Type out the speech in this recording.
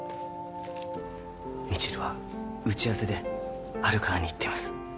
未知留は打ち合わせでハルカナに行っています